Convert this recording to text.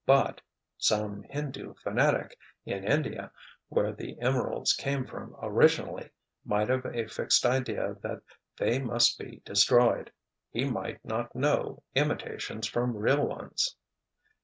But—some Hindu fanatic, in India, where the emeralds came from originally, might have a fixed idea that they must be destroyed. He might not know imitations from real ones."